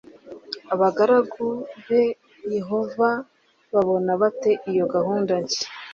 Abagaragu ba Yehova babona bate iyo gahunda nshya